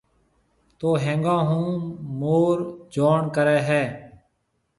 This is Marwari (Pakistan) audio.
تو ھيَََنگون ھون مور جوڻ ڪرَي ھيََََ